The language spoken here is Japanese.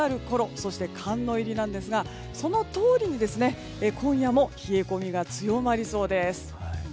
そして寒の入りなんですがそのとおりに今夜も冷え込みが強まりそうです。